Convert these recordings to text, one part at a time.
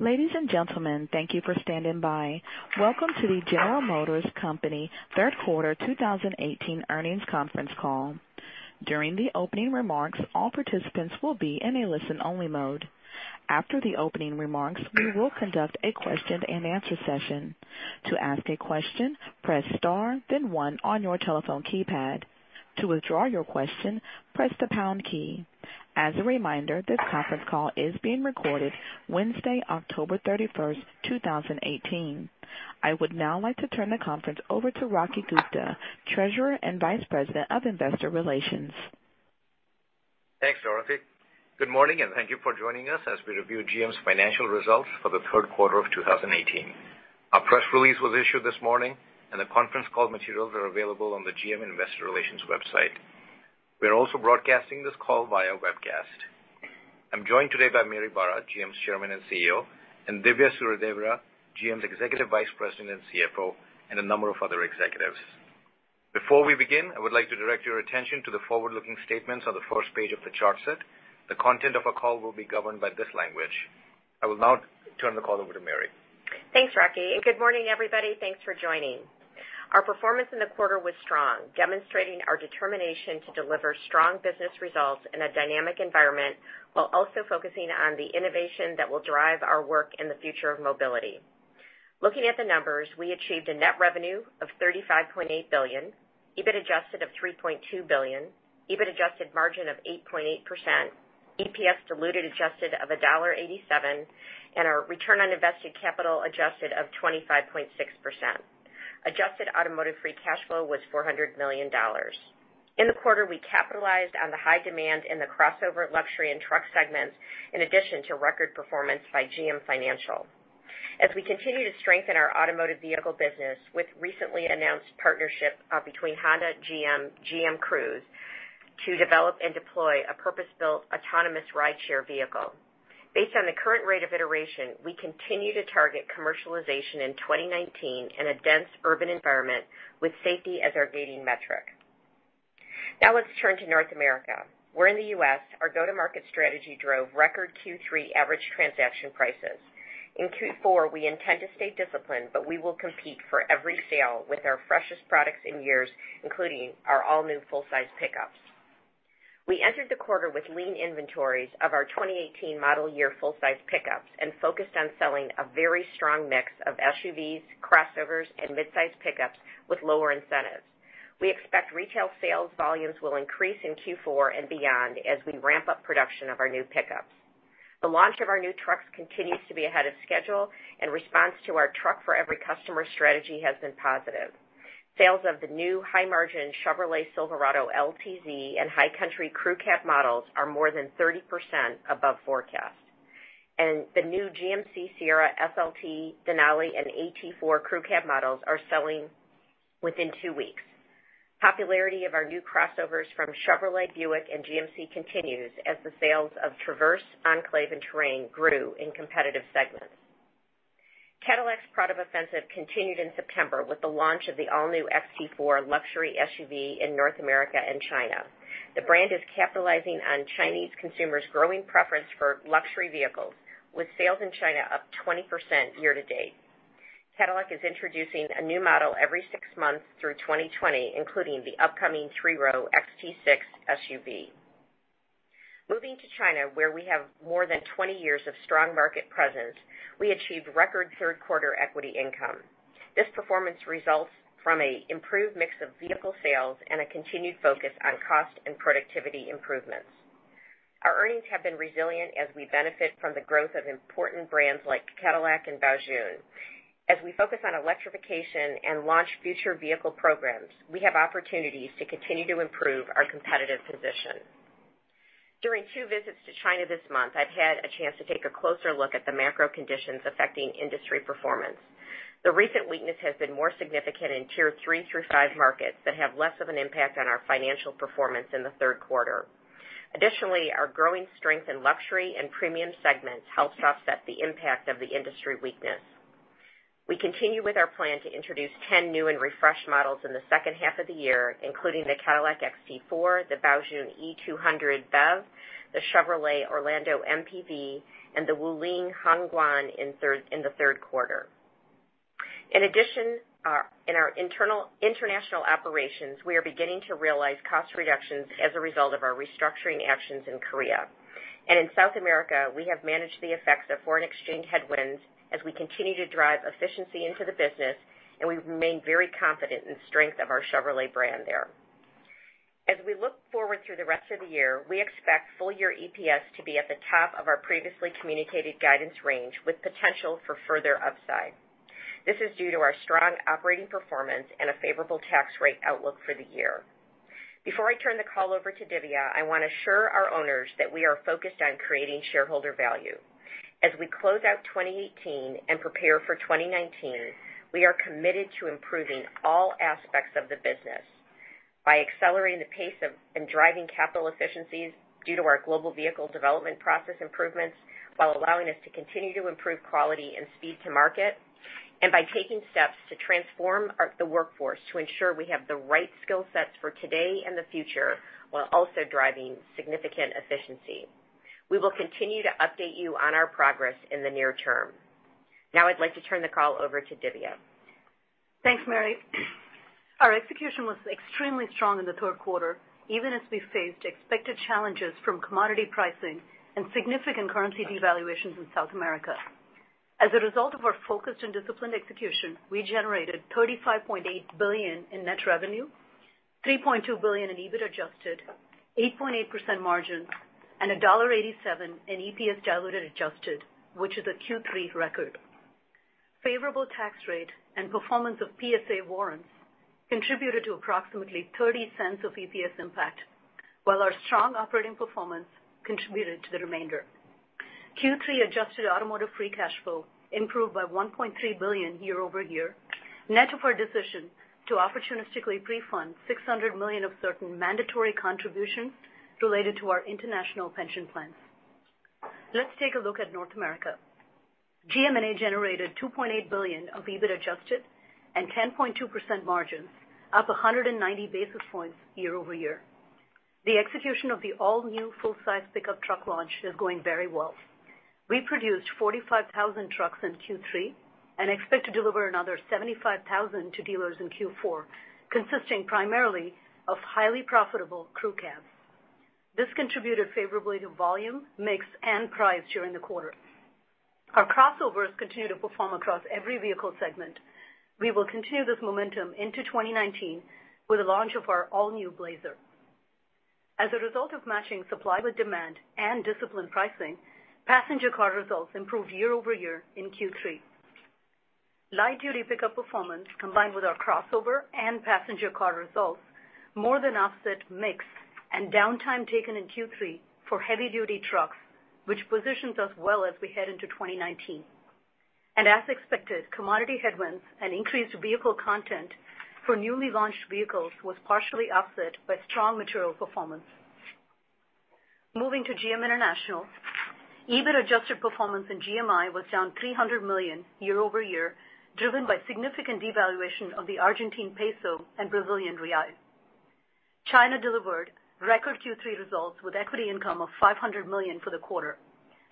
Ladies and gentlemen, thank you for standing by. Welcome to the General Motors Company third quarter 2018 earnings conference call. During the opening remarks, all participants will be in a listen-only mode. After the opening remarks, we will conduct a question-and-answer session. To ask a question, press star then one on your telephone keypad. To withdraw your question, press the pound key. As a reminder, this conference call is being recorded Wednesday, October 31st, 2018. I would now like to turn the conference over to Rocky Gupta, Treasurer and Vice President of Investor Relations. Thanks, Dorothy. Good morning, and thank you for joining us as we review GM's financial results for the third quarter of 2018. A press release was issued this morning, and the conference call materials are available on the GM investor relations website. I am joined today by Mary Barra, GM's Chairman and CEO, and Dhivya Suryadevara, GM's Executive Vice President and CFO, and a number of other executives. Before we begin, I would like to direct your attention to the forward-looking statements on the first page of the chart set. The content of our call will be governed by this language. I will now turn the call over to Mary. Thanks, Rocky. Good morning, everybody. Thanks for joining. Our performance in the quarter was strong, demonstrating our determination to deliver strong business results in a dynamic environment while also focusing on the innovation that will drive our work in the future of mobility. Looking at the numbers, we achieved a net revenue of $35.8 billion, EBIT adjusted of $3.2 billion, EBIT adjusted margin of 8.8%, EPS diluted adjusted of $1.87, and our return on invested capital adjusted of 25.6%. Adjusted automotive free cash flow was $400 million. In the quarter, we capitalized on the high demand in the crossover luxury and truck segments, in addition to record performance by GM Financial. As we continue to strengthen our automotive vehicle business with recently announced partnership between Honda GM Cruise to develop and deploy a purpose-built autonomous rideshare vehicle. Based on the current rate of iteration, we continue to target commercialization in 2019 in a dense urban environment with safety as our gating metric. Let's turn to North America, where in the U.S., our go-to-market strategy drove record Q3 average transaction prices. In Q4, we intend to stay disciplined, we will compete for every sale with our freshest products in years, including our all-new full-size pickups. We entered the quarter with lean inventories of our 2018 model year full-size pickups and focused on selling a very strong mix of SUVs, crossovers, and midsize pickups with lower incentives. We expect retail sales volumes will increase in Q4 and beyond as we ramp up production of our new pickups. The launch of our new trucks continues to be ahead of schedule, response to our truck for every customer strategy has been positive. Sales of the new high-margin Chevrolet Silverado LTZ and High Country Crew Cab models are more than 30% above forecast, and the new GMC Sierra SLT Denali and AT4 Crew Cab models are selling within two weeks. Popularity of our new crossovers from Chevrolet, Buick, and GMC continues as the sales of Traverse, Enclave, and Terrain grew in competitive segments. Cadillac's product offensive continued in September with the launch of the all-new XT4 luxury SUV in North America and China. The brand is capitalizing on Chinese consumers' growing preference for luxury vehicles, with sales in China up 20% year to date. Cadillac is introducing a new model every six months through 2020, including the upcoming three-row XT6 SUV. Moving to China, where we have more than 20 years of strong market presence, we achieved record third quarter equity income. This performance results from an improved mix of vehicle sales and a continued focus on cost and productivity improvements. Our earnings have been resilient as we benefit from the growth of important brands like Cadillac and Baojun. As we focus on electrification and launch future vehicle programs, we have opportunities to continue to improve our competitive position. During two visits to China this month, I've had a chance to take a closer look at the macro conditions affecting industry performance. The recent weakness has been more significant in Tier 3 through 5 markets that have less of an impact on our financial performance in the third quarter. Additionally, our growing strength in luxury and premium segments helped offset the impact of the industry weakness. We continue with our plan to introduce 10 new and refreshed models in the second half of the year, including the Cadillac XT4, the Baojun E200 BEV, the Chevrolet Orlando MPV, and the Wuling Hongguang in the third quarter. In addition, in our international operations, we are beginning to realize cost reductions as a result of our restructuring actions in Korea. In South America, we have managed the effects of foreign exchange headwinds as we continue to drive efficiency into the business, and we remain very confident in the strength of our Chevrolet brand there. As we look forward through the rest of the year, we expect full-year EPS to be at the top of our previously communicated guidance range, with potential for further upside. This is due to our strong operating performance and a favorable tax rate outlook for the year. Before I turn the call over to Dhivya, I want to assure our owners that we are focused on creating shareholder value. As we close out 2018 and prepare for 2019, we are committed to improving all aspects of the business by accelerating the pace and driving capital efficiencies due to our global vehicle development process improvements while allowing us to continue to improve quality and speed to market. By taking steps to transform the workforce to ensure we have the right skill sets for today and the future, while also driving significant efficiency. We will continue to update you on our progress in the near term. Now I'd like to turn the call over to Dhivya. Thanks, Mary. Our execution was extremely strong in the third quarter, even as we faced expected challenges from commodity pricing and significant currency devaluations in South America. As a result of our focused and disciplined execution, we generated $35.8 billion in net revenue, $3.2 billion in EBIT adjusted, 8.8% margin, and $1.87 in EPS diluted adjusted, which is a Q3 record. Favorable tax rate and performance of PSA warrants contributed to approximately $0.30 of EPS impact. While our strong operating performance contributed to the remainder. Q3 adjusted automotive free cash flow improved by $1.3 billion year-over-year, net of our decision to opportunistically pre-fund $600 million of certain mandatory contributions related to our international pension plans. Let's take a look at North America. GMNA generated $2.8 billion of EBIT adjusted and 10.2% margins up 190 basis points year-over-year. The execution of the all-new full-size pickup truck launch is going very well. We produced 45,000 trucks in Q3 and expect to deliver another 75,000 to dealers in Q4, consisting primarily of highly profitable Crew Cabs. This contributed favorably to volume, mix, and price during the quarter. Our crossovers continue to perform across every vehicle segment. We will continue this momentum into 2019 with the launch of our all-new Blazer. As a result of matching supply with demand and disciplined pricing, passenger car results improved year-over-year in Q3. Light-duty pickup performance, combined with our crossover and passenger car results more than offset mix and downtime taken in Q3 for heavy-duty trucks, which positions us well as we head into 2019. As expected, commodity headwinds and increased vehicle content for newly launched vehicles was partially offset by strong material performance. Moving to GM International. EBIT adjusted performance in GMI was down $300 million year-over-year, driven by significant devaluation of the Argentine peso and Brazilian real. China delivered record Q3 results with equity income of $500 million for the quarter.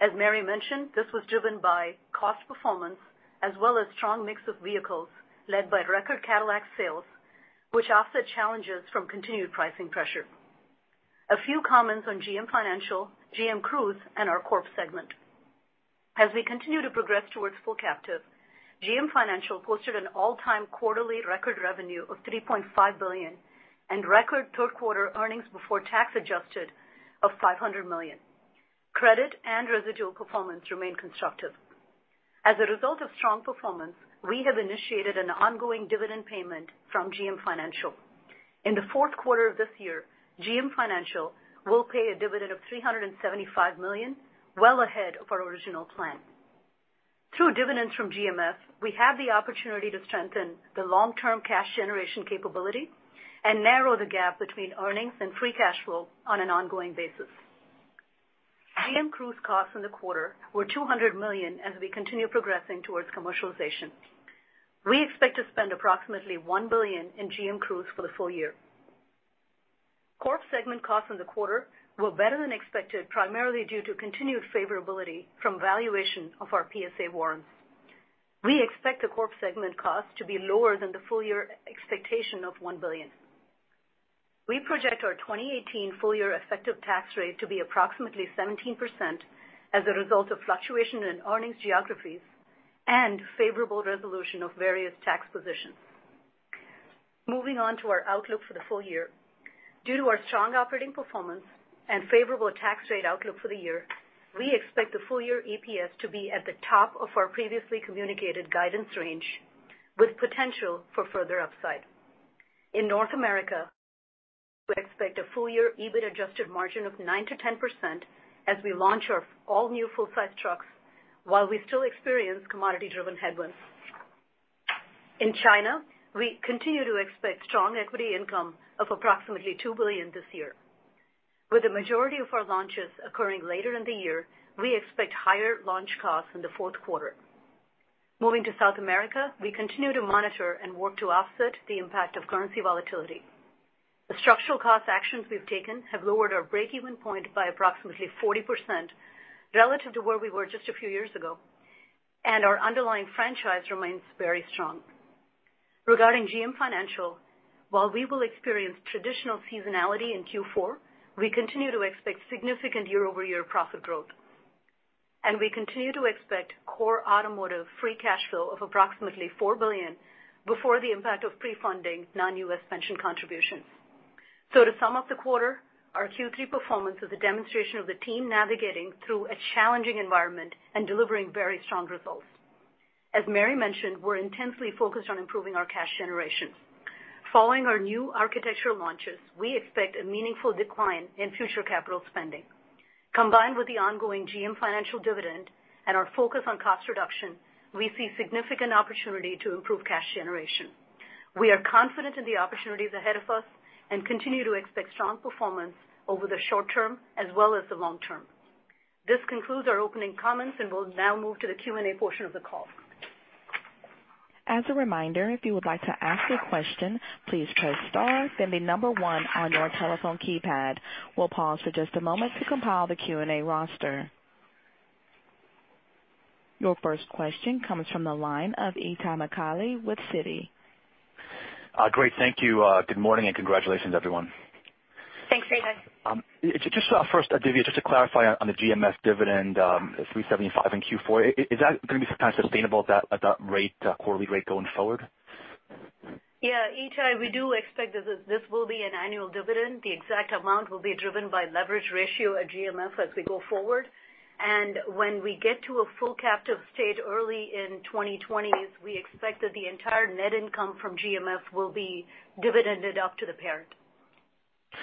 As Mary mentioned, this was driven by cost performance as well as strong mix of vehicles led by record Cadillac sales, which offset challenges from continued pricing pressure. A few comments on GM Financial, GM Cruise, and our corp segment. As we continue to progress towards full captive, GM Financial posted an all-time quarterly record revenue of $3.5 billion and record third quarter earnings before tax adjusted of $500 million. Credit and residual performance remain constructive. As a result of strong performance, we have initiated an ongoing dividend payment from GM Financial. In the fourth quarter of this year, GM Financial will pay a dividend of $375 million, well ahead of our original plan. Through dividends from GMF, we have the opportunity to strengthen the long-term cash generation capability and narrow the gap between earnings and free cash flow on an ongoing basis. GM Cruise costs in the quarter were $200 million as we continue progressing towards commercialization. We expect to spend approximately $1 billion in GM Cruise for the full year. Corp segment costs in the quarter were better than expected, primarily due to continued favorability from valuation of our PSA warrants. We expect the corp segment cost to be lower than the full-year expectation of $1 billion. We project our 2018 full-year effective tax rate to be approximately 17% as a result of fluctuation in earnings geographies and favorable resolution of various tax positions. Moving on to our outlook for the full year. Due to our strong operating performance and favorable tax rate outlook for the year, we expect the full-year EPS to be at the top of our previously communicated guidance range, with potential for further upside. In North America, we expect a full-year EBIT adjusted margin of 9%-10% as we launch our all-new full-size trucks while we still experience commodity-driven headwinds. In China, we continue to expect strong equity income of approximately $2 billion this year. With the majority of our launches occurring later in the year, we expect higher launch costs in the fourth quarter. Moving to South America, we continue to monitor and work to offset the impact of currency volatility. The structural cost actions we've taken have lowered our break-even point by approximately 40% relative to where we were just a few years ago, and our underlying franchise remains very strong. Regarding GM Financial, while we will experience traditional seasonality in Q4, we continue to expect significant year-over-year profit growth. We continue to expect core automotive free cash flow of approximately $4 billion before the impact of pre-U.S. pension contributions. To sum up the quarter, our Q3 performance is a demonstration of the team navigating through a challenging environment and delivering very strong results. As Mary mentioned, we're intensely focused on improving our cash generation. Following our new architectural launches, we expect a meaningful decline in future capital spending. Combined with the ongoing GM Financial dividend and our focus on cost reduction, we see significant opportunity to improve cash generation. We are confident in the opportunities ahead of us and continue to expect strong performance over the short term as well as the long term. This concludes our opening comments, and we'll now move to the Q&A portion of the call. As a reminder, if you would like to ask a question, please press star, then the number one on your telephone keypad. We'll pause for just a moment to compile the Q&A roster. Your first question comes from the line of Itay Michaeli with Citi. Great, thank you. Good morning, and congratulations everyone. Thanks, Itay. Just first, Dhivya, just to clarify on the GMF dividend, $375 in Q4, is that going to be sustainable at that quarterly rate going forward? Yeah, Itay, we do expect that this will be an annual dividend. The exact amount will be driven by leverage ratio at GMF as we go forward. When we get to a full captive state early in 2020, we expect that the entire net income from GMF will be dividended up to the parent. Great.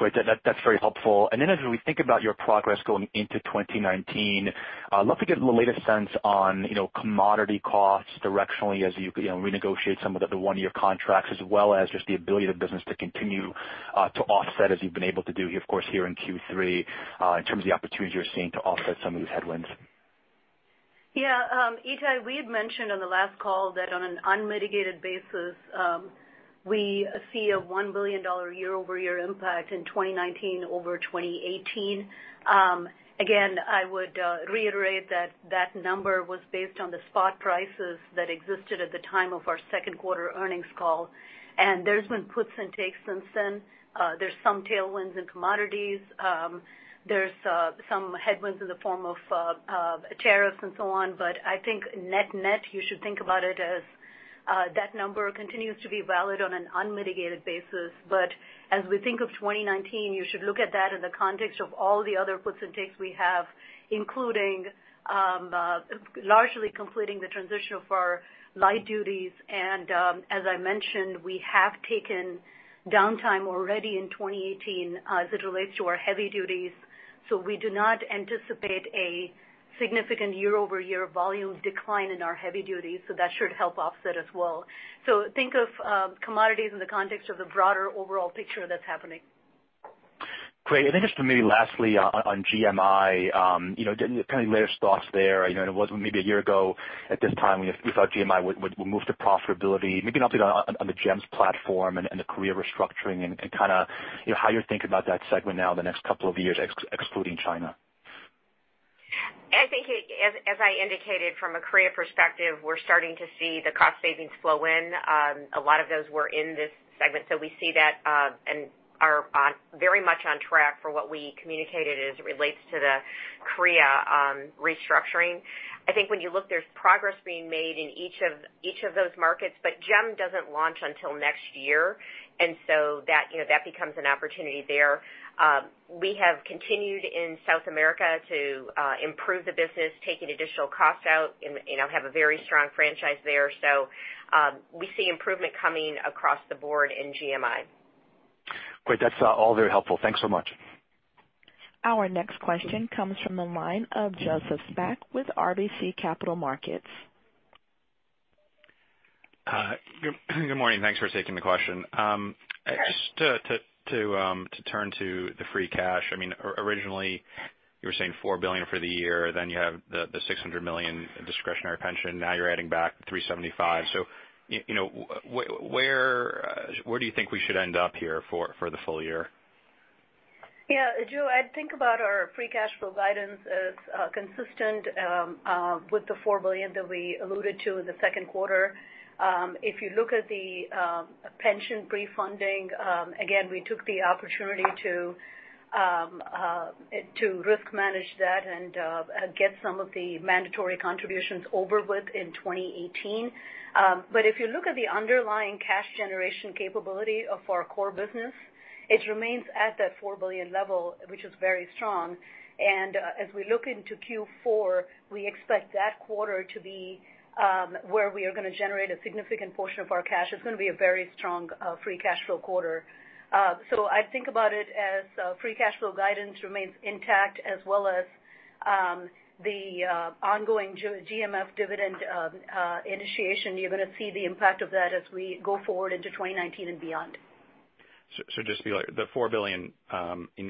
That's very helpful. As we think about your progress going into 2019, I'd love to get the latest sense on commodity costs directionally as you renegotiate some of the one-year contracts, as well as just the ability of the business to continue to offset as you've been able to do, of course, here in Q3, in terms of the opportunities you're seeing to offset some of these headwinds. Yeah. Itay, we had mentioned on the last call that on an unmitigated basis, we see a $1 billion year-over-year impact in 2019 over 2018. Again, I would reiterate that that number was based on the spot prices that existed at the time of our second quarter earnings call, and there's been puts and takes since then. There's some tailwinds in commodities. There's some headwinds in the form of tariffs and so on. I think net-net, you should think about it as that number continues to be valid on an unmitigated basis. As we think of 2019, you should look at that in the context of all the other puts and takes we have, including largely completing the transition of our light duties. As I mentioned, we have taken downtime already in 2018 as it relates to our heavy duties, we do not anticipate a significant year-over-year volume decline in our heavy duties, that should help offset as well. Think of commodities in the context of the broader overall picture that's happening. Great. Just maybe lastly on GMI, kind of your latest thoughts there. It was maybe a year ago at this time we thought GMI would move to profitability. Maybe an update on the GEM platform and the Korea restructuring and how you're thinking about that segment now the next couple of years, excluding China. I think as I indicated from a Korea perspective, we're starting to see the cost savings flow in. A lot of those were in this segment, so we see that and are very much on track for what we communicated as it relates to the Korea restructuring. I think when you look, there's progress being made in each of those markets, but GEM doesn't launch until next year, and so that becomes an opportunity there. We have continued in South America to improve the business, taken additional costs out, and have a very strong franchise there. We see improvement coming across the board in GMI. Great. That's all very helpful. Thanks so much. Our next question comes from the line of Joseph Spak with RBC Capital Markets. Good morning. Thanks for taking the question. Sure. Just to turn to the free cash, originally you were saying $4 billion for the year, then you have the $600 million discretionary pension. You're adding back $375. Where do you think we should end up here for the full year? Yeah, Joe, I'd think about our free cash flow guidance as consistent with the $4 billion that we alluded to in the second quarter. If you look at the pension pre-funding, again, we took the opportunity to risk manage that and get some of the mandatory contributions over with in 2018. If you look at the underlying cash generation capability of our core business, it remains at that $4 billion level, which is very strong. As we look into Q4, we expect that quarter to be where we are going to generate a significant portion of our cash. It's going to be a very strong free cash flow quarter. I'd think about it as free cash flow guidance remains intact as well as the ongoing GMF dividend initiation. You're going to see the impact of that as we go forward into 2019 and beyond. Just to be clear, the $4 billion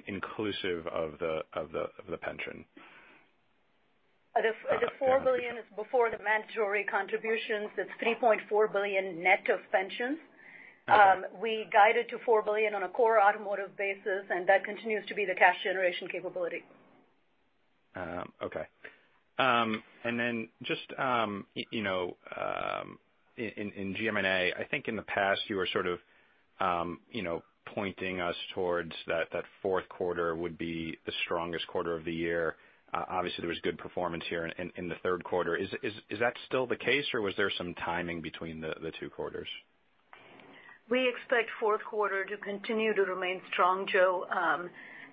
inclusive of the pension? The $4 billion is before the mandatory contributions. It's $3.4 billion net of pensions. Okay. We guided to $4 billion on a core automotive basis, that continues to be the cash generation capability. Okay. Just in GMNA, I think in the past you were sort of pointing us towards that fourth quarter would be the strongest quarter of the year. Obviously, there was good performance here in the third quarter. Is that still the case, or was there some timing between the two quarters? We expect fourth quarter to continue to remain strong, Joe.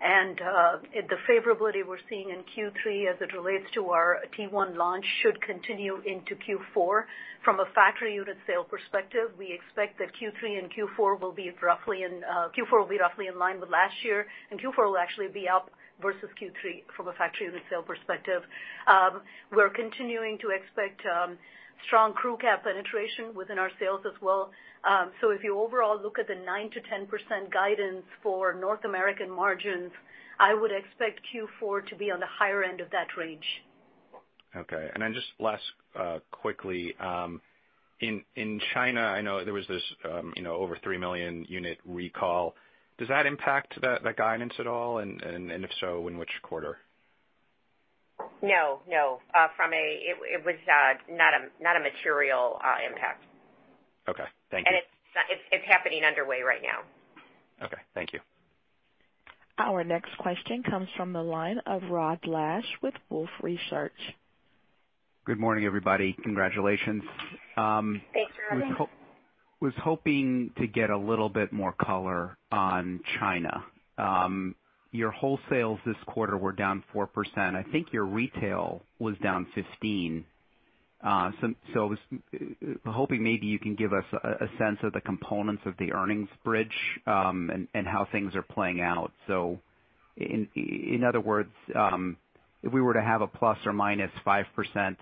The favorability we're seeing in Q3 as it relates to our T1 launch should continue into Q4. From a factory unit sale perspective, we expect that Q3 and Q4 will be roughly in line with last year, Q4 will actually be up versus Q3 from a factory unit sale perspective. We're continuing to expect strong Crew Cab penetration within our sales as well. If you overall look at the 9%-10% guidance for North American margins, I would expect Q4 to be on the higher end of that range. Okay. Just last, quickly, in China, I know there was this over 3 million unit recall. Does that impact the guidance at all, and if so, in which quarter? No. It was not a material impact. Okay. Thank you. It's happening underway right now. Okay. Thank you. Our next question comes from the line of Rod Lache with Wolfe Research. Good morning, everybody. Congratulations. Thanks, Rod. Was hoping to get a little bit more color on China. Your wholesales this quarter were down 4%. I think your retail was down 15%. I was hoping maybe you can give us a sense of the components of the earnings bridge, and how things are playing out. In other words, if we were to have a plus or minus 5%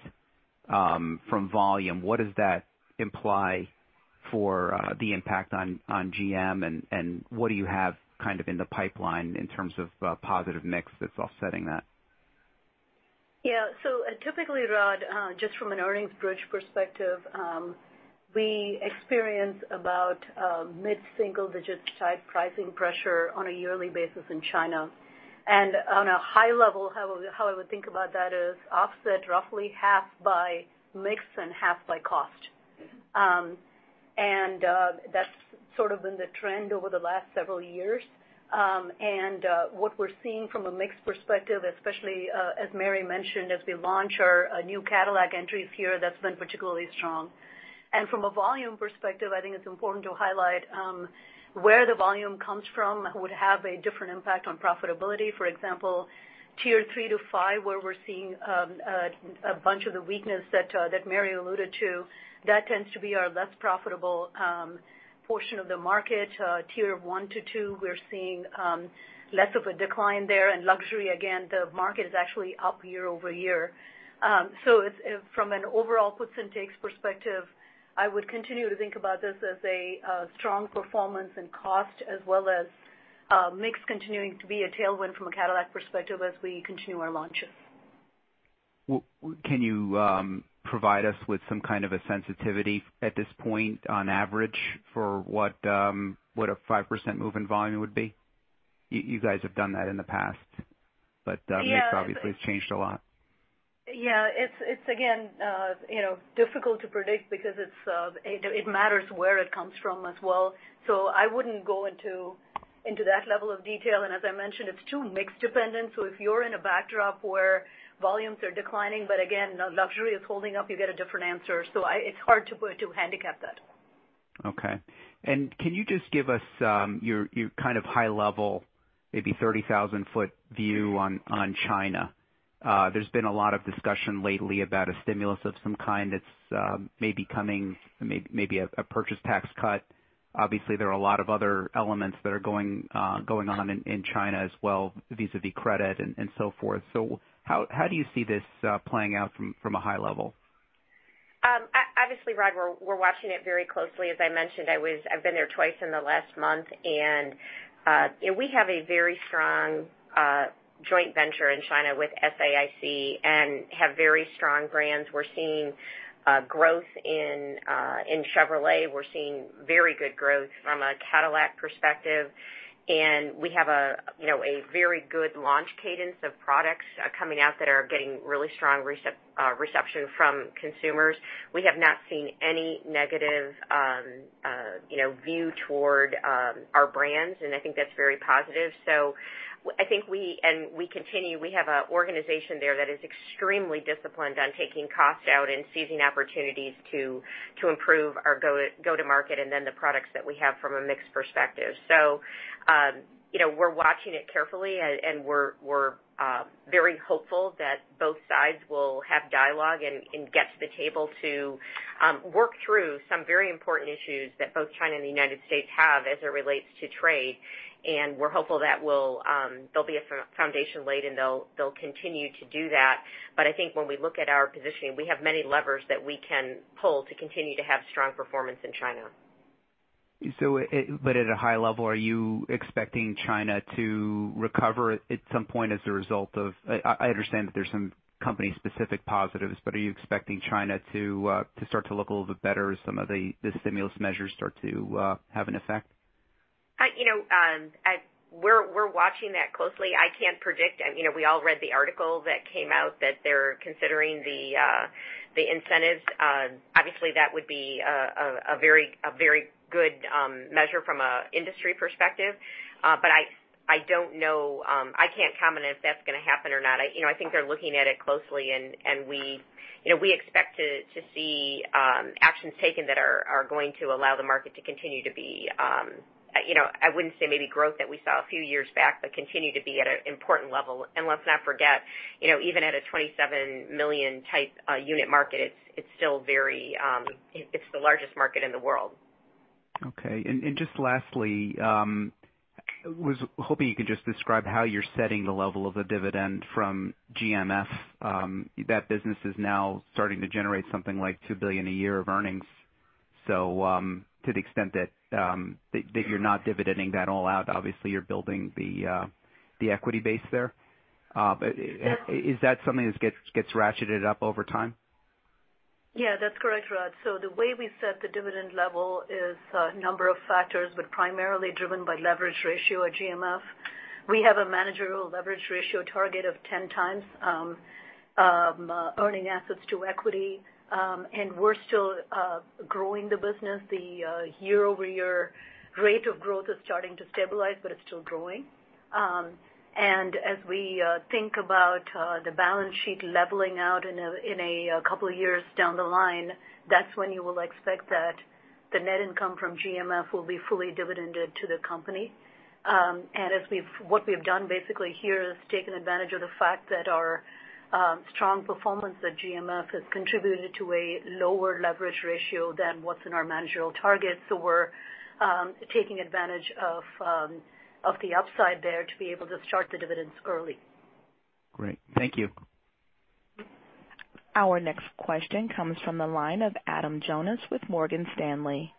from volume, what does that imply for the impact on GM, and what do you have kind of in the pipeline in terms of positive mix that's offsetting that? Yeah. Typically, Rod, just from an earnings bridge perspective, we experience about mid-single-digit type pricing pressure on a yearly basis in China. On a high level, how I would think about that is offset roughly half by mix and half by cost. That's sort of been the trend over the last several years. What we're seeing from a mix perspective, especially, as Mary mentioned, as we launch our new Cadillac entries here, that's been particularly strong. From a volume perspective, I think it's important to highlight where the volume comes from would have a different impact on profitability. For example, tier 3 to 5, where we're seeing a bunch of the weakness that Mary alluded to, that tends to be our less profitable portion of the market. Tier 1 to 2, we're seeing less of a decline there. Luxury, again, the market is actually up year-over-year. From an overall puts and takes perspective, I would continue to think about this as a strong performance in cost as well as mix continuing to be a tailwind from a Cadillac perspective as we continue our launches. Can you provide us with some kind of a sensitivity at this point on average for what a 5% move in volume would be? You guys have done that in the past. Yeah Mix obviously has changed a lot. Yeah. It's, again, difficult to predict because it matters where it comes from as well. I wouldn't go into that level of detail. As I mentioned, it's too mix dependent. If you're in a backdrop where volumes are declining, but again, luxury is holding up, you get a different answer. It's hard to handicap that. Okay. Can you just give us your kind of high level, maybe 30,000-foot view on China? There's been a lot of discussion lately about a stimulus of some kind that's maybe coming, maybe a purchase tax cut. Obviously, there are a lot of other elements that are going on in China as well vis-à-vis credit and so forth. How do you see this playing out from a high level? Obviously, Rod, we're watching it very closely. As I mentioned, I've been there twice in the last month. We have a very strong joint venture in China with SAIC and have very strong brands. We're seeing growth in Chevrolet. We're seeing very good growth from a Cadillac perspective. We have a very good launch cadence of products coming out that are getting really strong reception from consumers. We have not seen any negative view toward our brands, I think that's very positive. I think we, and we continue, we have an organization there that is extremely disciplined on taking costs out and seizing opportunities to improve our go-to-market and the products that we have from a mix perspective. We're watching it carefully. We're very hopeful that both sides will have dialogue and get to the table to work through some very important issues that both China and the United States have as it relates to trade. We're hopeful that there'll be a foundation laid. They'll continue to do that. I think when we look at our positioning, we have many levers that we can pull to continue to have strong performance in China. At a high level, are you expecting China to recover at some point as a result of, I understand that there's some company-specific positives, are you expecting China to start to look a little bit better as some of the stimulus measures start to have an effect? We're watching that closely. I can't predict. We all read the article that came out that they're considering the incentives. Obviously, that would be a very good measure from an industry perspective. I don't know. I can't comment if that's going to happen or not. I think they're looking at it closely, and we expect to see actions taken that are going to allow the market to continue to be, I wouldn't say maybe growth that we saw a few years back, but continue to be at an important level. Let's not forget, even at a 27 million type unit market, it's the largest market in the world. Okay. Just lastly, I was hoping you could just describe how you're setting the level of the dividend from GMF. That business is now starting to generate something like $2 billion a year of earnings. To the extent that you're not dividending that all out, obviously you're building the equity base there. Yeah. Is that something that gets ratcheted up over time? Yeah, that's correct, Rod. The way we set the dividend level is a number of factors, but primarily driven by leverage ratio at GMF. We have a managerial leverage ratio target of 10 times earning assets to equity, and we're still growing the business. The year-over-year rate of growth is starting to stabilize, but it's still growing. As we think about the balance sheet leveling out in a couple of years down the line, that's when you will expect that the net income from GMF will be fully dividended to the company. What we've done basically here is taken advantage of the fact that our strong performance at GMF has contributed to a lower leverage ratio than what's in our managerial target. We're taking advantage of the upside there to be able to start the dividends early. Great. Thank you. Our next question comes from the line of Adam Jonas with Morgan Stanley.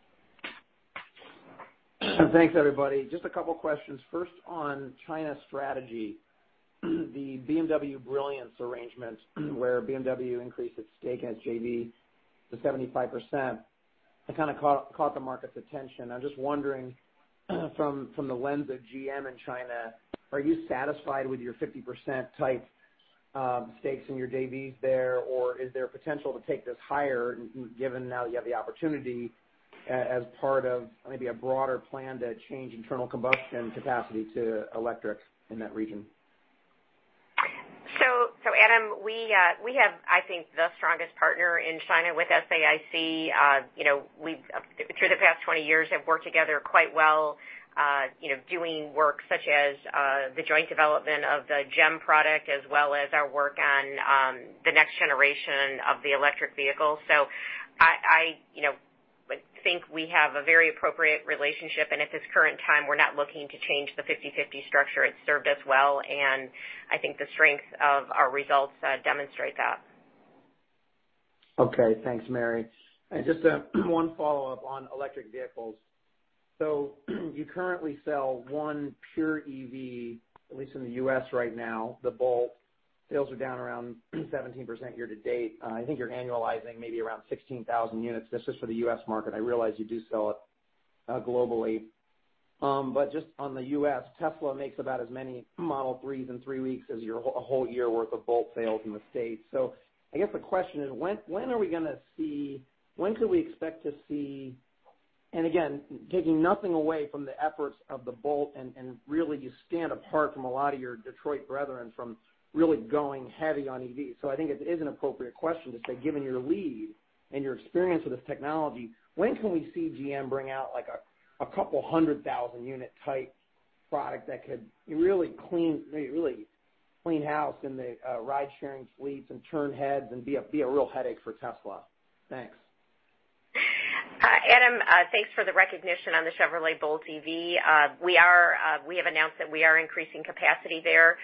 Thanks, everybody. Just a couple of questions. First, on China strategy. The BMW Brilliance arrangement where BMW increased its stake at JV to 75%, that kind of caught the market's attention. I'm just wondering from the lens of GM in China, are you satisfied with your 50%-type stakes in your JVs there, or is there potential to take this higher, given now that you have the opportunity as part of maybe a broader plan to change internal combustion capacity to electric in that region? Adam, we have, I think, the strongest partner in China with SAIC. Through the past 20 years have worked together quite well doing work such as the joint development of the GEM product as well as our work on the next generation of the electric vehicle. I think we have a very appropriate relationship, and at this current time, we're not looking to change the 50-50 structure. It's served us well, and I think the strength of our results demonstrate that. Okay. Thanks, Mary Barra. Just one follow-up on electric vehicles. You currently sell one pure EV, at least in the U.S. right now, the Bolt. Sales are down around 17% year-to-date. I think you're annualizing maybe around 16,000 units. This is for the U.S. market. I realize you do sell it globally. Just on the U.S., Tesla makes about as many Model 3s in three weeks as your whole year worth of Bolt sales in the States. I guess the question is, when are we going to see, when could we expect to see, and again, taking nothing away from the efforts of the Bolt, and really you stand apart from a lot of your Detroit brethren from really going heavy on EV. I think it is an appropriate question to say, given your lead and your experience with this technology, when can we see GM bring out a 200,000 unit-type product that could really clean house in the ride-sharing fleets and turn heads and be a real headache for Tesla? Thanks. Adam, thanks for the recognition on the Chevrolet Bolt EV. We have announced that we are increasing capacity there.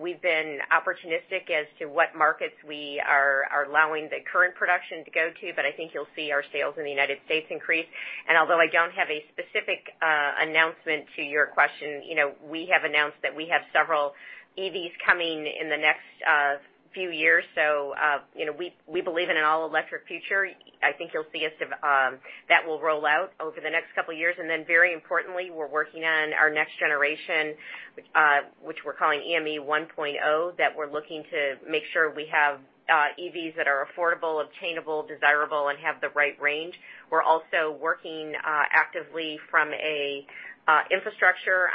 We've been opportunistic as to what markets we are allowing the current production to go to, but I think you'll see our sales in the U.S. increase. Although I don't have a specific announcement to your question, we have announced that we have several EVs coming in the next few years. We believe in an all-electric future. I think you'll see that will roll out over the next couple of years, and then very importantly, we're working on our next generation, which we're calling AME 1.0, that we're looking to make sure we have EVs that are affordable, obtainable, desirable, and have the right range. We're also working actively from a infrastructure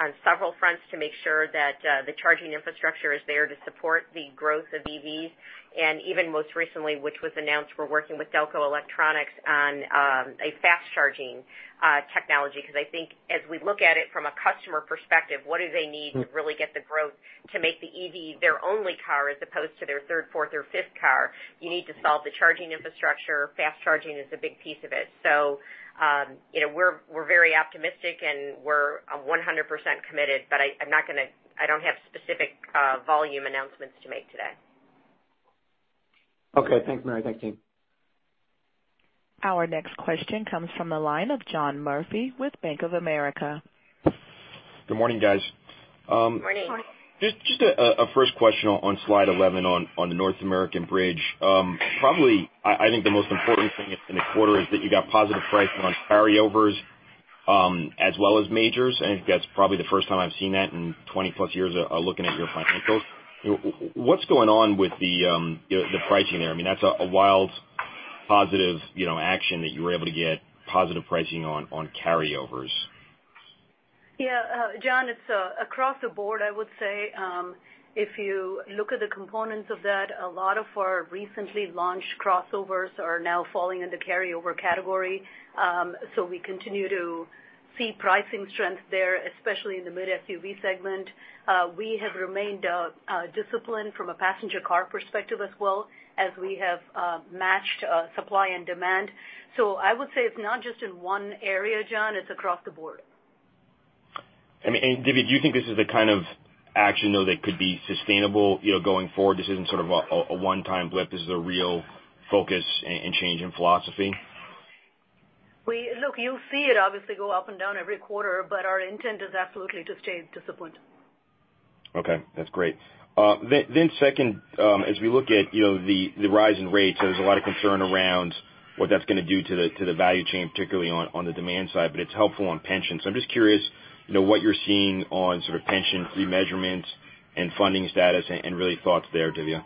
on several fronts to make sure that the charging infrastructure is there to support the growth of EVs. Even most recently, which was announced, we're working with ACDelco on a fast-charging technology because I think as we look at it from a customer perspective, what do they need to really get the growth to make the EV their only car as opposed to their third, fourth, or fifth car? You need to solve the charging infrastructure. Fast charging is a big piece of it. We're very optimistic, and we're 100% committed, I don't have specific volume announcements to make today. Okay. Thanks, Mary. Thanks, team. Our next question comes from the line of John Murphy with Bank of America. Good morning, guys. Morning. Morning. A first question on slide 11 on the North American bridge. I think the most important thing in the quarter is that you got positive pricing on carryovers, as well as majors. I think that's probably the first time I've seen that in 20 plus years of looking at your financials. What's going on with the pricing there? That's a wild positive action that you were able to get positive pricing on carryovers. Yeah, John, it's across the board, I would say. If you look at the components of that, a lot of our recently launched crossovers are now falling in the carryover category. We continue to see pricing strength there, especially in the mid SUV segment. We have remained disciplined from a passenger car perspective as well, as we have matched supply and demand. I would say it's not just in one area, John, it's across the board. Dhivya, do you think this is the kind of action, though, that could be sustainable going forward? This isn't sort of a one-time blip. This is a real focus and change in philosophy? Look, you'll see it obviously go up and down every quarter, our intent is absolutely to stay disciplined. Okay. That's great. Second, as we look at the rise in rates, there's a lot of concern around what that's going to do to the value chain, particularly on the demand side, it's helpful on pensions. I'm just curious what you're seeing on sort of pension remeasurements and funding status and really thoughts there, Dhivya.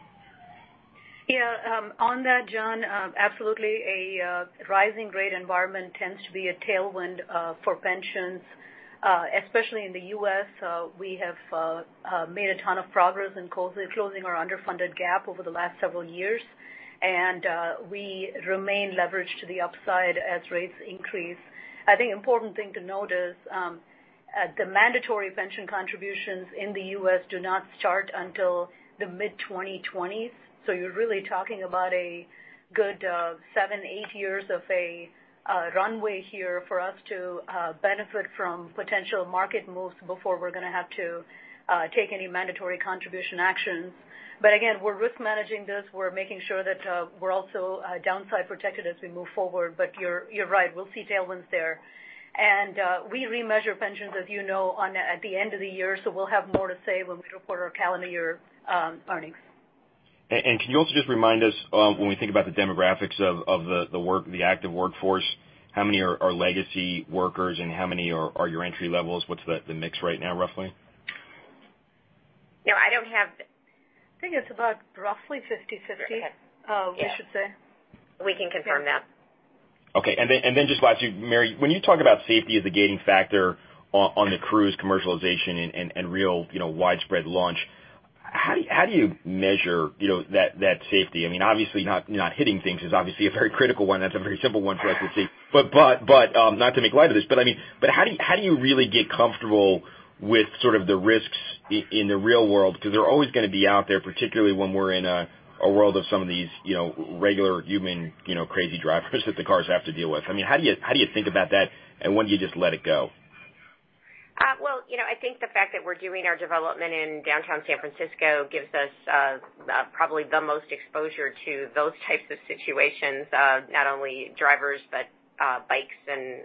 Yeah. On that, John, absolutely, a rising rate environment tends to be a tailwind for pensions, especially in the U.S. We have made a ton of progress in closing our underfunded gap over the last several years. We remain leveraged to the upside as rates increase. I think important thing to note is the mandatory pension contributions in the U.S. do not start until the mid-2020s, you're really talking about a good seven, eight years of a runway here for us to benefit from potential market moves before we're going to have to take any mandatory contribution actions. Again, we're risk managing this. We're making sure that we're also downside protected as we move forward. You're right. We'll see tailwinds there. We remeasure pensions, as you know, at the end of the year, we'll have more to say when we report our calendar year earnings. Can you also just remind us when we think about the demographics of the active workforce, how many are legacy workers and how many are your entry levels? What's the mix right now, roughly? No, I don't have I think it's about roughly 50/50 Go ahead we should say. We can confirm that. Okay. Just last, Mary, when you talk about safety as the gating factor on the Cruise commercialization and real widespread launch, how do you measure that safety? Obviously, not hitting things is obviously a very critical one. That's a very simple one for us to see. Not to make light of this, but how do you really get comfortable with sort of the risks in the real world? They're always going to be out there, particularly when we're in a world of some of these regular human crazy drivers that the cars have to deal with. How do you think about that, and when do you just let it go? Well, I think the fact that we're doing our development in downtown San Francisco gives us probably the most exposure to those types of situations, not only drivers, but bikes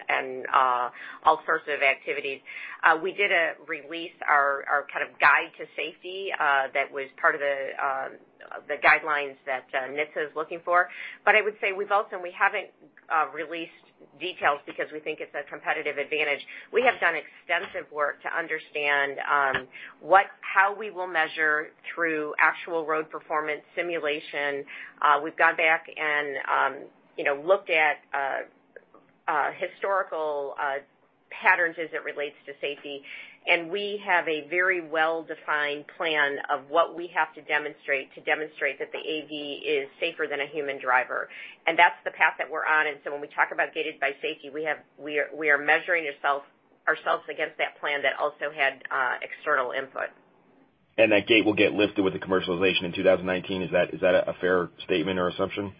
and all sorts of activities. We did release our kind of guide to safety that was part of the guidelines that NHTSA is looking for. I would say we've also, and we haven't released details because we think it's a competitive advantage. We have done extensive work to understand how we will measure through actual road performance simulation. We've gone back and looked at historical patterns as it relates to safety, and we have a very well-defined plan of what we have to demonstrate to demonstrate that the AV is safer than a human driver. That's the path that we're on. When we talk about gated by safety, we are measuring ourselves against that plan that also had external input. That gate will get lifted with the commercialization in 2019. Is that a fair statement or assumption?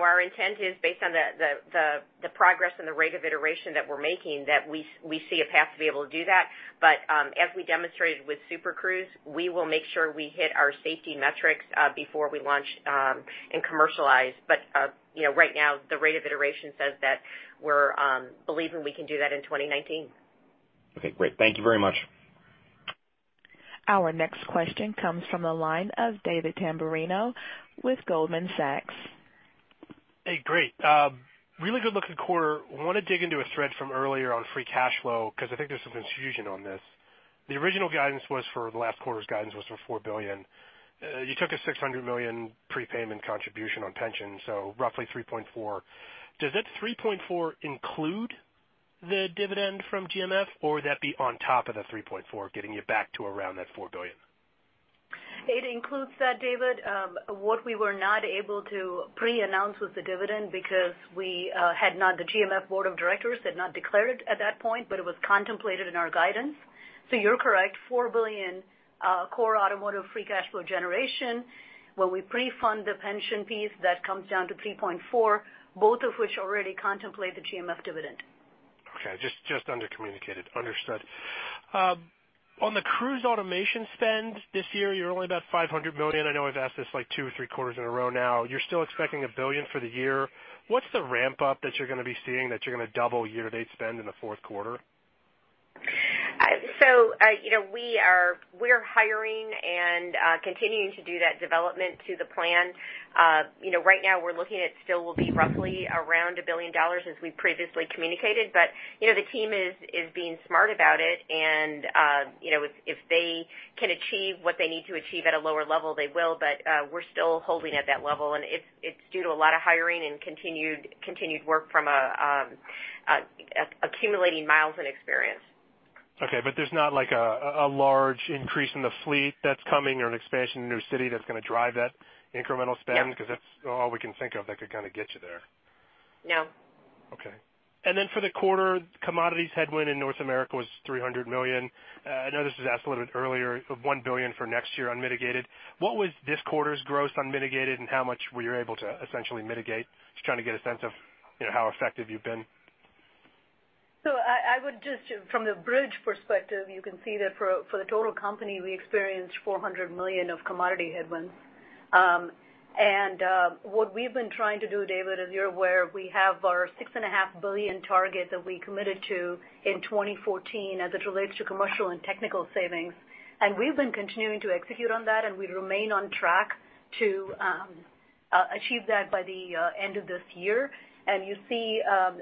Our intent is based on the progress and the rate of iteration that we're making, that we see a path to be able to do that. As we demonstrated with Super Cruise, we will make sure we hit our safety metrics before we launch and commercialize. Right now, the rate of iteration says that we're believing we can do that in 2019. Okay, great. Thank you very much. Our next question comes from the line of David Tamberrino with Goldman Sachs. Hey, great. Really good-looking quarter. Want to dig into a thread from earlier on free cash flow, because I think there's some confusion on this. The original guidance was for the last quarter's guidance was for $4 billion. You took a $600 million prepayment contribution on pension, so roughly 3.4. Does that 3.4 include the dividend from GMF, or would that be on top of the 3.4, getting you back to around that $4 billion? It includes that, David. What we were not able to preannounce was the dividend because the GMF board of directors had not declared it at that point. It was contemplated in our guidance. You're correct, $4 billion core automotive free cash flow generation. When we pre-fund the pension piece, that comes down to 3.4, both of which already contemplate the GMF dividend. Okay. Just under-communicated. Understood. On the Cruise automation spend this year, you're only about $500 million. I know I've asked this two or three quarters in a row now. You're still expecting $1 billion for the year. What's the ramp-up that you're going to be seeing that you're going to double year-to-date spend in the fourth quarter? We're hiring and continuing to do that development to the plan. Right now we're looking at still will be roughly around $1 billion as we previously communicated. The team is being smart about it, and if they can achieve what they need to achieve at a lower level, they will, but we're still holding at that level, and it's due to a lot of hiring and continued work from accumulating miles and experience. There's not a large increase in the fleet that's coming or an expansion in a new city that's going to drive that incremental spend? No. That's all we can think of that could kind of get you there. No. For the quarter, commodities headwind in North America was $300 million. I know this was asked a little bit earlier of $1 billion for next year unmitigated. What was this quarter's gross unmitigated, and how much were you able to essentially mitigate? Just trying to get a sense of how effective you've been. I would just, from the bridge perspective, you can see that for the total company, we experienced $400 million of commodity headwinds. What we've been trying to do, David, as you're aware, we have our $six and a half billion target that we committed to in 2014 as it relates to commercial and technical savings. We've been continuing to execute on that, and we remain on track to achieve that by the end of this year. You see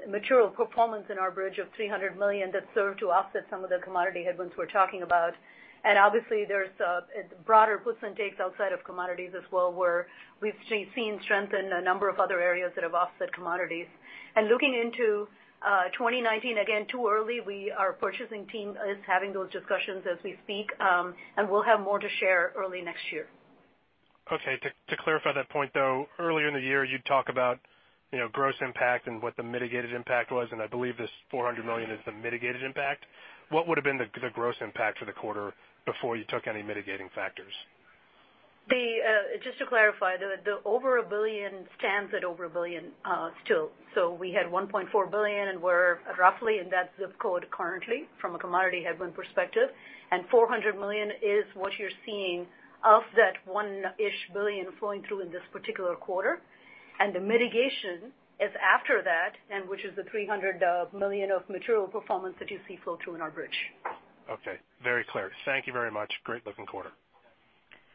material performance in our bridge of $300 million that serve to offset some of the commodity headwinds we're talking about. Obviously, there's broader puts and takes outside of commodities as well, where we've seen strength in a number of other areas that have offset commodities. Looking into 2019, again, too early. Our purchasing team is having those discussions as we speak, we'll have more to share early next year. Okay. To clarify that point, though, earlier in the year, you'd talk about gross impact and what the mitigated impact was, I believe this $400 million is the mitigated impact. What would've been the gross impact for the quarter before you took any mitigating factors? Just to clarify, the over a billion stands at over a billion still. We had $1.4 billion, we're roughly in that ZIP code currently from a commodity headwind perspective, $400 million is what you're seeing of that $one-ish billion flowing through in this particular quarter. The mitigation is after that, which is the $300 million of material performance that you see flow through in our bridge. Okay. Very clear. Thank you very much. Great-looking quarter.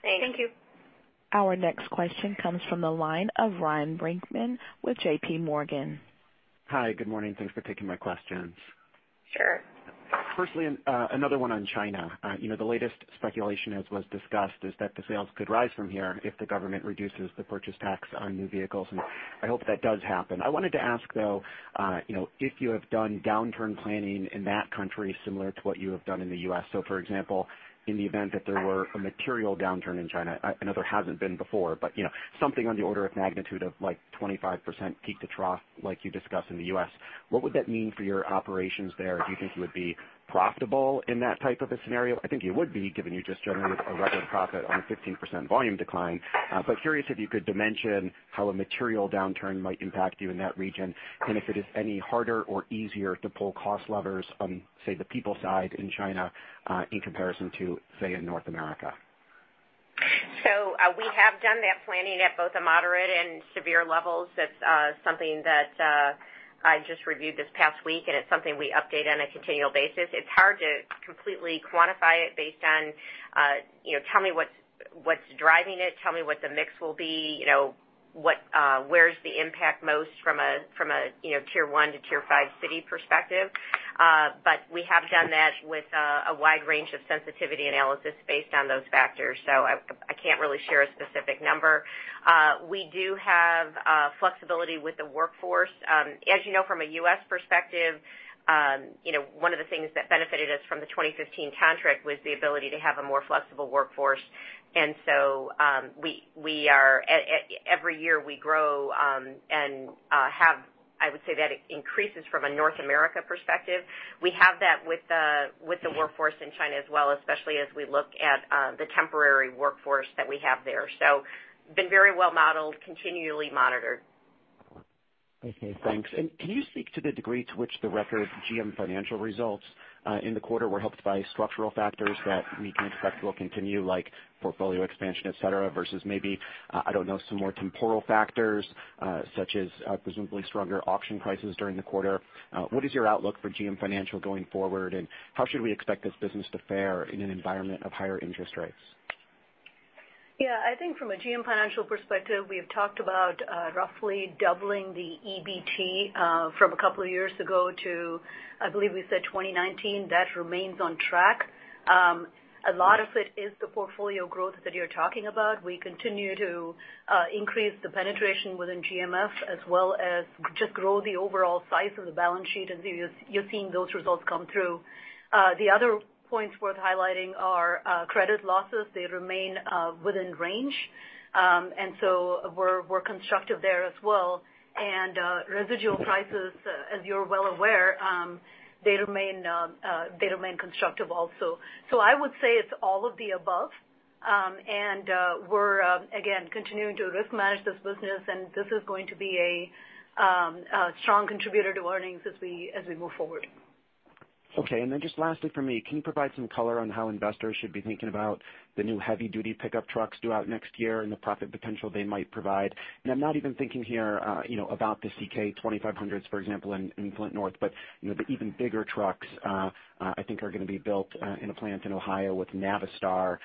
Thanks. Thank you. Our next question comes from the line of Ryan Brinkman with J.P. Morgan. Hi, good morning. Thanks for taking my questions. Sure. First, another one on China. The latest speculation, as was discussed, is that the sales could rise from here if the government reduces the purchase tax on new vehicles, and I hope that does happen. I wanted to ask, though, if you have done downturn planning in that country similar to what you have done in the U.S. For example, in the event that there were a material downturn in China, I know there hasn't been before, but something on the order of magnitude of 25% peak to trough like you discuss in the U.S., what would that mean for your operations there? Do you think you would be profitable in that type of a scenario? I think you would be, given you just generated a record profit on a 15% volume decline. Curious if you could dimension how a material downturn might impact you in that region, and if it is any harder or easier to pull cost levers on, say, the people side in China, in comparison to, say, in North America. We have done that planning at both a moderate and severe levels. That's something that I just reviewed this past week, and it's something we update on a continual basis. It's hard to completely quantify it based on, tell me what's driving it, tell me what the mix will be, where's the impact most from a tier 1 to tier 5 city perspective. We have done that with a wide range of sensitivity analysis based on those factors. I can't really share a specific number. We do have flexibility with the workforce. As you know from a U.S. perspective, one of the things that benefited us from the 2015 contract was the ability to have a more flexible workforce. Every year we grow and have, I would say, that increases from a North America perspective. It has been very well modeled, continually monitored. Okay, thanks. Can you speak to the degree to which the record GM Financial results in the quarter were helped by structural factors that we can expect will continue, like portfolio expansion, et cetera, versus maybe, I don't know, some more temporal factors, such as presumably stronger auction prices during the quarter? What is your outlook for GM Financial going forward, and how should we expect this business to fare in an environment of higher interest rates? Yeah, I think from a GM Financial perspective, we have talked about roughly doubling the EBT from a couple of years ago to, I believe we said 2019. That remains on track. A lot of it is the portfolio growth that you're talking about. We continue to increase the penetration within GMF, as well as just grow the overall size of the balance sheet, and you're seeing those results come through. The other points worth highlighting are credit losses. They remain within range. We're constructive there as well. Residual prices, as you're well aware they remain constructive also. I would say it's all of the above. We're, again, continuing to risk manage this business, and this is going to be a strong contributor to earnings as we move forward. Okay. Just lastly from me, can you provide some color on how investors should be thinking about the new heavy-duty pickup trucks due out next year and the profit potential they might provide? I'm not even thinking here about the C/K 2500s, for example, in Flint North, but the even bigger trucks I think are going to be built in a plant in Ohio with Navistar.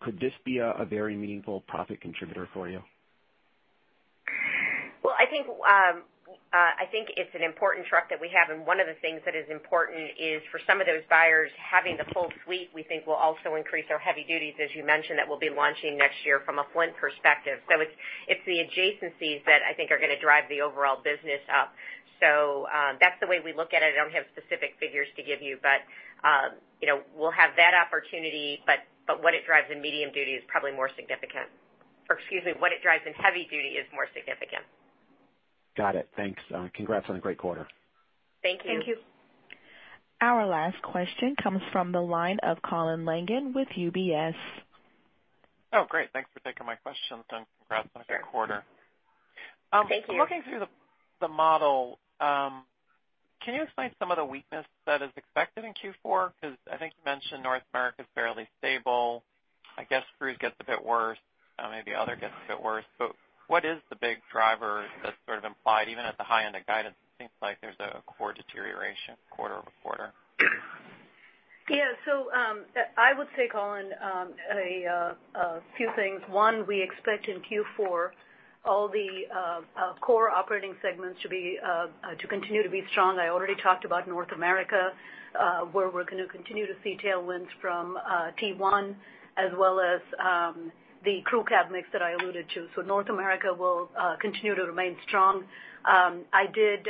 Could this be a very meaningful profit contributor for you? Well, I think it's an important truck that we have, one of the things that is important is for some of those buyers, having the full suite, we think will also increase our heavy duties, as you mentioned, that we'll be launching next year from a Flint perspective. It's the adjacencies that I think are going to drive the overall business up. That's the way we look at it. I don't have specific figures to give you, but we'll have that opportunity, but what it drives in medium duty is probably more significant. Excuse me, what it drives in heavy duty is more significant. Got it. Thanks. Congrats on a great quarter. Thank you. Thank you. Our last question comes from the line of Colin Langan with UBS. Oh, great. Thanks for taking my questions and congrats on a good quarter. Thank you. Looking through the model, can you explain some of the weakness that is expected in Q4? I think you mentioned North America is fairly stable. I guess Cruise gets a bit worse. Maybe Other gets a bit worse. What is the big driver that's sort of implied even at the high end of guidance? It seems like there's a core deterioration quarter-over-quarter. Yeah. I would say, Colin, a few things. One, we expect in Q4 all the core operating segments to continue to be strong. I already talked about North America, where we're going to continue to see tailwinds from T1 as well as the Crew Cab mix that I alluded to. North America will continue to remain strong. I did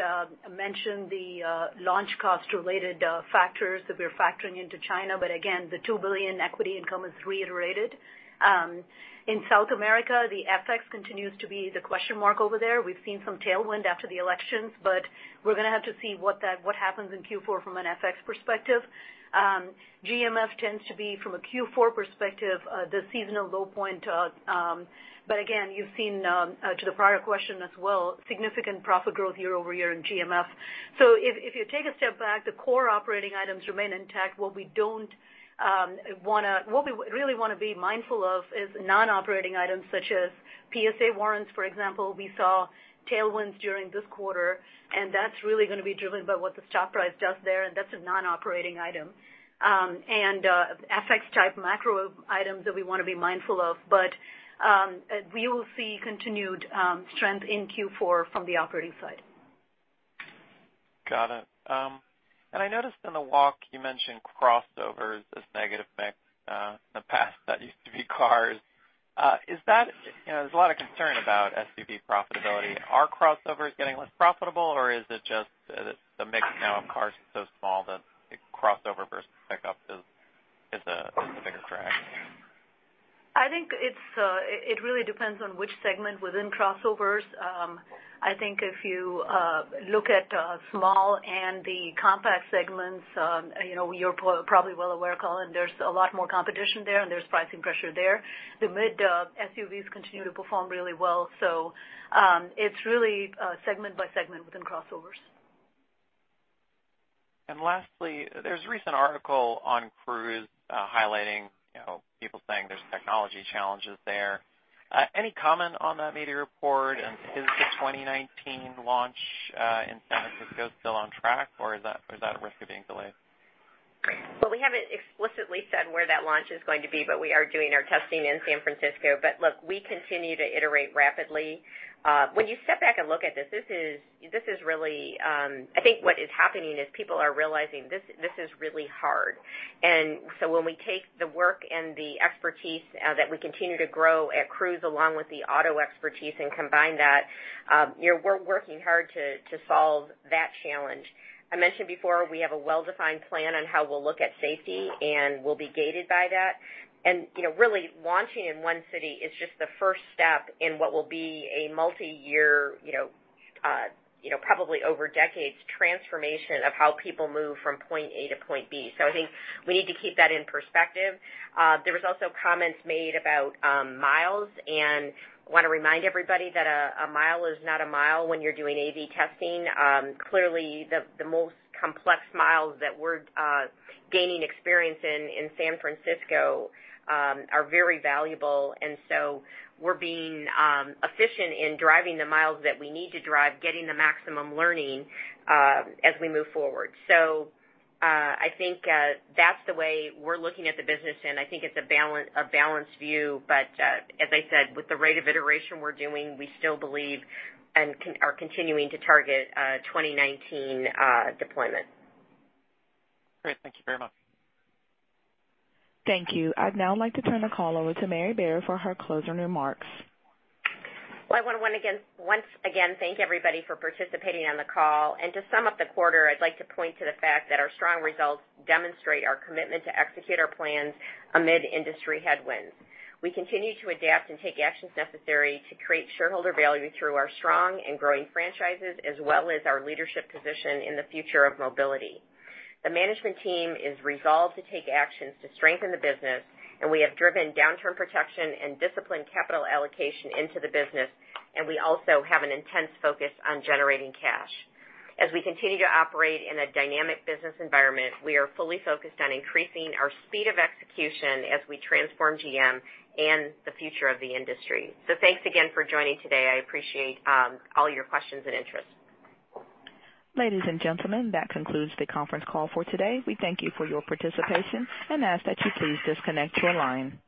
mention the launch cost-related factors that we're factoring into China. Again, the $2 billion equity income is reiterated. In South America, the FX continues to be the question mark over there. We've seen some tailwind after the elections, but we're going to have to see what happens in Q4 from an FX perspective. GMF tends to be, from a Q4 perspective, the seasonal low point. Again, you've seen, to the prior question as well, significant profit growth year-over-year in GMF. If you take a step back, the core operating items remain intact. What we really want to be mindful of is non-operating items such as PSA warrants, for example. We saw tailwinds during this quarter, and that's really going to be driven by what the stock price does there, and that's a non-operating item. FX-type macro items that we want to be mindful of. We will see continued strength in Q4 from the operating side. Got it. I noticed in the walk, you mentioned crossovers as negative mix. In the past, that used to be cars. There's a lot of concern about SUV profitability. Are crossovers getting less profitable, or is it just that the mix now of cars is so small that crossover versus pickup is a bigger drag? It really depends on which segment within crossovers. If you look at small and the compact segments, you're probably well aware, Colin, there's a lot more competition there and there's pricing pressure there. The mid SUVs continue to perform really well, so it's really segment by segment within crossovers. Lastly, there's a recent article on Cruise highlighting people saying there's technology challenges there. Any comment on that media report? Is the 2019 launch in San Francisco still on track, or is that at risk of being delayed? We haven't explicitly said where that launch is going to be, but we are doing our testing in San Francisco. Look, we continue to iterate rapidly. When you step back and look at this, I think what is happening is people are realizing this is really hard. When we take the work and the expertise that we continue to grow at Cruise along with the auto expertise and combine that, we're working hard to solve that challenge. I mentioned before, we have a well-defined plan on how we'll look at safety, and we'll be gated by that. Really launching in one city is just the first step in what will be a multi-year, probably over decades, transformation of how people move from point A to point B. I think we need to keep that in perspective. There was also comments made about miles, and I want to remind everybody that a mile is not a mile when you're doing AV testing. Clearly, the most complex miles that we're gaining experience in San Francisco are very valuable. We're being efficient in driving the miles that we need to drive, getting the maximum learning as we move forward. I think that's the way we're looking at the business, and I think it's a balanced view. As I said, with the rate of iteration we're doing, we still believe and are continuing to target 2019 deployment. Great. Thank you very much. Thank you. I'd now like to turn the call over to Mary Barra for her closing remarks. Well, I want to once again thank everybody for participating on the call. To sum up the quarter, I'd like to point to the fact that our strong results demonstrate our commitment to execute our plans amid industry headwinds. We continue to adapt and take actions necessary to create shareholder value through our strong and growing franchises, as well as our leadership position in the future of mobility. The management team is resolved to take actions to strengthen the business, and we have driven downturn protection and disciplined capital allocation into the business, and we also have an intense focus on generating cash. As we continue to operate in a dynamic business environment, we are fully focused on increasing our speed of execution as we transform GM and the future of the industry. Thanks again for joining today. I appreciate all your questions and interest. Ladies and gentlemen, that concludes the conference call for today. We thank you for your participation and ask that you please disconnect your line.